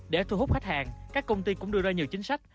để thu hút khách hàng các công ty cũng đưa ra nhiều chính sách